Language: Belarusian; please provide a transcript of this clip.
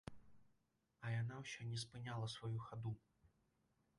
А яна ўсё не спыняла сваю хаду.